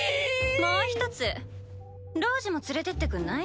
もう一つロウジも連れてってくんない？